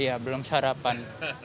iya belum sarapan